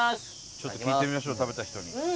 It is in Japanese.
ちょっと聞いてみましょう食べた人に。